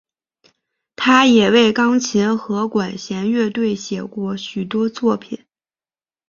他也为钢琴和管弦乐队写过许多作品。